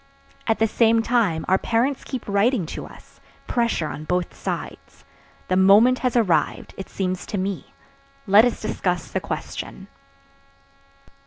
At the same time our parents keep writing to us. Pressure on both sides. The moment has arrived, it seems to me; let us discuss the question."